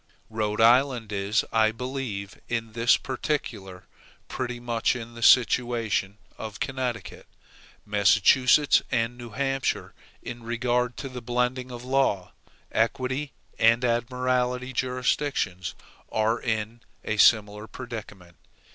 Rhode Island is, I believe, in this particular, pretty much in the situation of Connecticut. Massachusetts and New Hampshire, in regard to the blending of law, equity, and admiralty jurisdictions, are in a similar predicament.